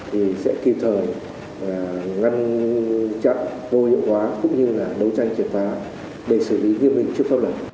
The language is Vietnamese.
thì sẽ kịp thời ngăn chặn vô hiệu hóa cũng như là đấu tranh triệt phá để xử lý nghiêm minh trước pháp luật